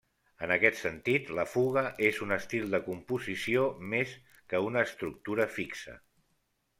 En aquest sentit, la fuga és un estil de composició, més que una estructura fixa.